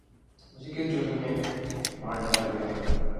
مجھے کس جرم میں مار ڈالا گیا؟